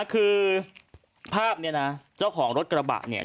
คือภาพนี้นะเจ้าของรถกระบะเนี่ย